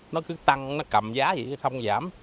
nó cứ tăng nó cầm giá vậy chứ không giảm